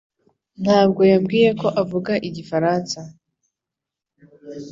Ntabwo wambwiye ko avuga igifaransa